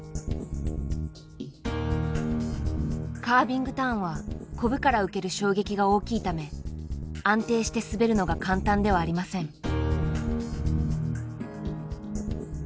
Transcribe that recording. カービングターンはコブから受ける衝撃が大きいため安定して滑るのが簡単ではありません。